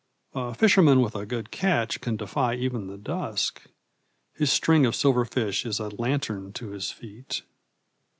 A fisherman with a good catch can defy even the dusk; his string of silver fish is a lantern to his feet.